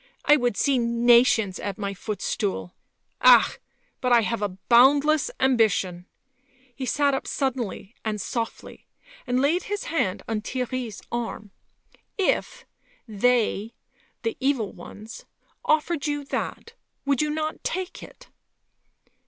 I would see nations at my footstool ... ah !... but I have a boundless ambition. ..." He sat up suddenly and softly, and laid his hand on Theirry's arm. " If ... they ... the evil ones ... offered you that, would you not take it